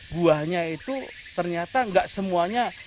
buahnya itu ternyata nggak semuanya